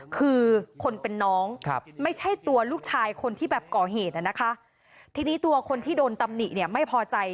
คือคนเป็นน้องไม่ใช่ตัวลูกชายคนที่แบบก่อเหตุนะคะทีนี้ตัวคนที่โดนตำหนิเนี่ยไม่พอใจ